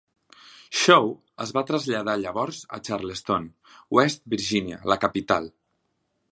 Shaw es va traslladar llavors a Charleston, West Virginia, la capital.